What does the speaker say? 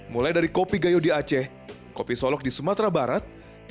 mulai dari kopi gayo di aceh kopi solok di sumatera barat